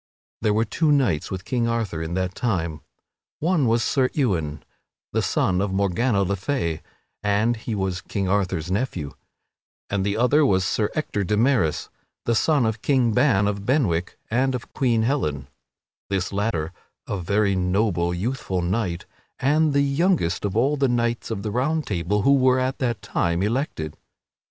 There were two knights with King Arthur at that time, one was Sir Ewain, the son of Morgana le Fay (and he was King Arthur's nephew), and the other was Sir Ector de Maris, the son of King Ban of Benwick and of Queen Helen this latter a very noble, youthful knight, and the youngest of all the Knights of the Round Table who were at that time elected.